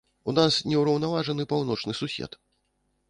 У нас неўраўнаважаны паўночны сусед.